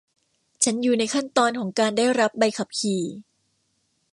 ฉันอยู่ในขั้นตอนของการได้รับใบขับขี่